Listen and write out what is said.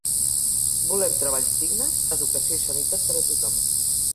Volem treballs dignes, educació i sanitat per a tothom.